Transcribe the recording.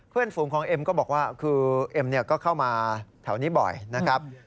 เพื่อนฝูงของเอมก็บอกว่าคือเอมเนี่ยก็เข้ามาเท่านี้บ่อยนะครับ